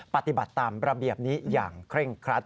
ปฏิบัติตามระเบียบนี้อย่างเคร่งครัด